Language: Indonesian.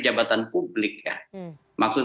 jabatan publik ya maksud